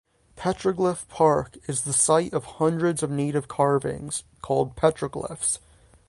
Petroglyph Park is the site of hundreds of native carvings, called petroglyphs.